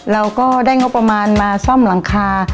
เราก็ได้งบประมาณมาซ่อมหลังคา